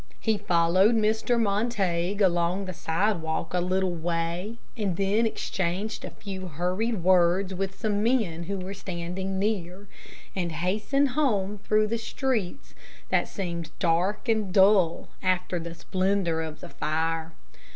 He followed Mr. Montague along the sidewalk a little way, and then exchanged a few hurried words with some men who were standing near, and hastened home through streets that seemed dark and dull after the splendor of the fire.